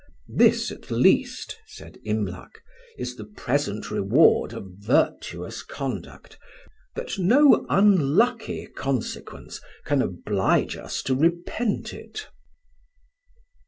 "This, at least," said Imlac, "is the present reward of virtuous conduct, that no unlucky consequence can oblige us to repent it."